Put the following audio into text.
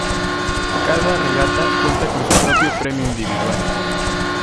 Cada regata cuenta con su propio premio individual.